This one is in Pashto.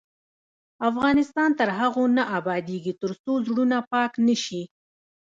افغانستان تر هغو نه ابادیږي، ترڅو زړونه پاک نشي.